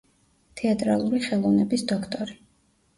თეატრალური ხელოვნების დოქტორი.